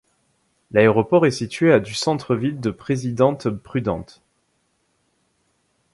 L'aéroport est situé à du centre-ville de Presidente Prudente.